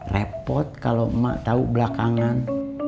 repot kalau emak tahu belakangan